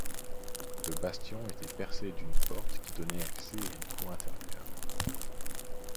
Le bastion était percé d'une porte qui donnait accès à une cour intérieure.